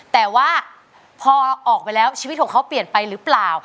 แต่ว่าพอออกไปแล้วชีวิตของเขาเปลี่ยนไปหรือเปล่า